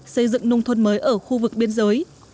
xây dựng nông thôn mới ở khu vực biên giới